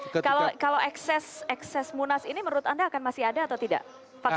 kalau ekses munas ini menurut anda akan masih ada atau tidak